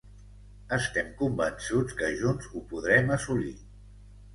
Estem convençuts que junts, ho podrem assolir.